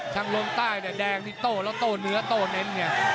ทางลงใต้เนี่ยแดงที่โตแล้วโตเหนือโตเน้นเนี่ย